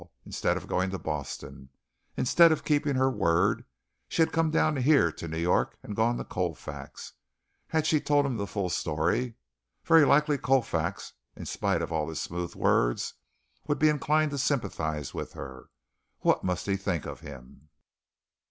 Instead of going to Boston; instead of keeping her word, she had come down here to New York and gone to Colfax. Had she told him the full story? Very likely Colfax, in spite of all his smooth words, would be inclined to sympathize with her. What must he think of him?